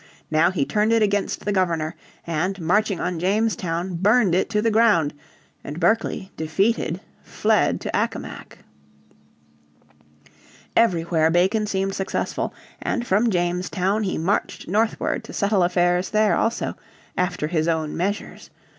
Now he turned it against the Governor, and, marching on Jamestown, burned it to the ground, and Berkeley, defeated, fled to Accomac. Everywhere Bacon seemed successful, and from Jamestown he marched northward to settle affairs there also "after his own measures."